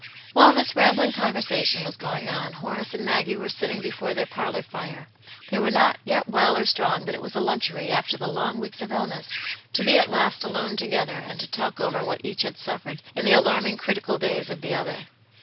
While this rambling conversation was going on, Horace and Maggie were sitting before their parlour fire. They were not yet well or strong, but it was a luxury, after the long weeks of illness, to be at last alone together and to talk over what each had suf fered in the alarming, critical days of the other.